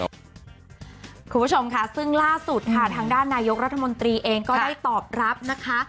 คุณผู้ชมค่ะซึ่งล่าสุดค่ะทางด้านนายกรัฐมนตรีเองก็ได้ตอบรับนะคะ